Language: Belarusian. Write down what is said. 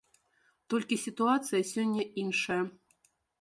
Толькі сітуацыя сёння іншая.